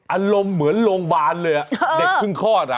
อารมณ์เหมือนโรงพยาบาลเลยเด็กเพิ่งคลอด